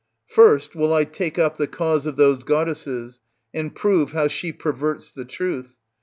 First will I take up the cause of those goddesses, and prove how she perverts the truth.